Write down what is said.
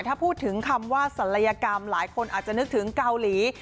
ถ้าพูดถึงคำว่าศัลยกรรมหลายคนอาจจะนึกถึงเกาหลี